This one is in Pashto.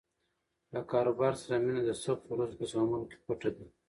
له کاروبار سره مینه د سختو ورځو په زغملو کې پټه ده.